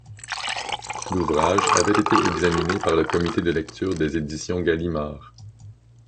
L'ouvrage avait été examiné par le comité de lecture des éditions Gallimard.